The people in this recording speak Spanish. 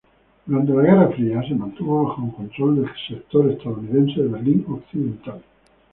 Durante la Guerra Fría se mantuvo bajo control del sector estadounidense de Berlín Occidental.